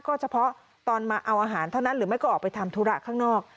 ก็เฉพาะตอนมาเอาอาหารเท่านั้นหรือไม่ก็ออกไปทำธุระข้างนอก